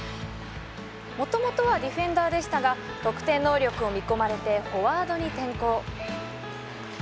もともとはディフェンダーでしたが得点能力を見込まれてフォワードに転向。